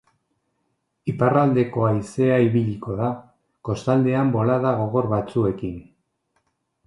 Iparraldeko haizea ibiliko da, kostaldean bolada gogor batzuekin.